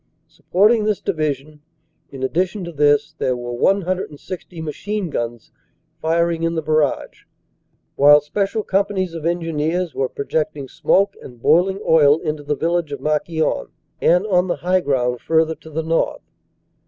Supporting this Division, in addition to this, there were 160 machine guns firing in the barrage, while special companies of Engineers were projecting smoke and boiling oil into the village of Marquion, and on the high ground further to the north.